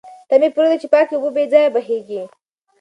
ته مه پرېږده چې پاکې اوبه بې ځایه بهېږي.